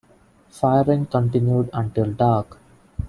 Firing continued until dark.